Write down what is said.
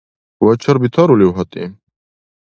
Вачар бетарулив, гьатӀи?